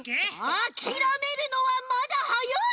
あきらめるのはまだはやい！